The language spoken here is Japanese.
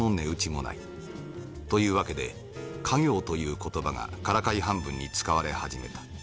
という訳で稼業という言葉がからかい半分に使われ始めた。